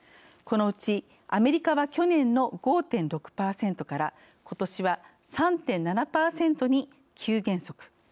このうち、アメリカは去年の５．６％からことしは３．７％に急減速。